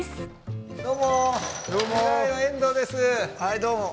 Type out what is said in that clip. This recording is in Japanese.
はいどうも。